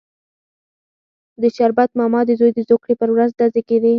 د شربت ماما د زوی د زوکړې پر ورځ ډزې کېدې.